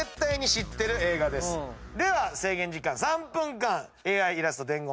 では制限時間３分間ＡＩイラスト伝言！